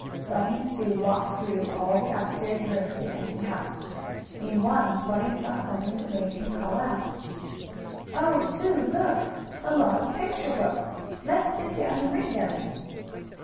Bunny and Sue walked through all the upstairs rooms of the empty house. In one Bunny saw something that made him call out: "Oh, Sue, look! A lot of picture books! Let's sit down and read them!"